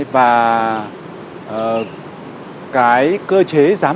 và cái cơ chế giảm